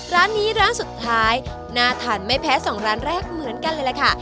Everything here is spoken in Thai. ร้านนี้ร้านสุดท้ายน่าทานไม่แพ้สองร้านแรกเหมือนกันเลยล่ะค่ะ